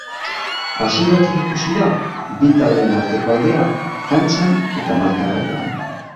Hasieratik ikusi da bi taldeen arteko aldea, kantxan eta markagailuan.